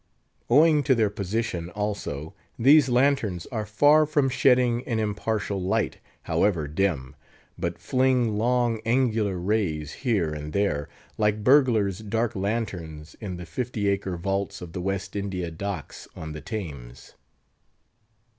Owing to their position, also, these lanterns are far from shedding an impartial light, however dim, but fling long angular rays here and there, like burglar's dark lanterns in the fifty acre vaults of the West India Docks on the Thames.